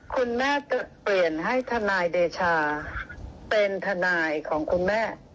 คุณแม่จะเปลี่ยนให้ทนายเดชาเป็นทนายของคุณแม่